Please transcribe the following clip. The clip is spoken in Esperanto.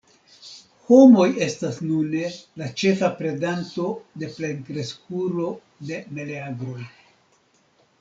Homoj estas nune la ĉefa predanto de plenkreskulo de meleagroj.